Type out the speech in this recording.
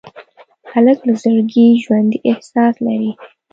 هلک له زړګي ژوندي احساس لري.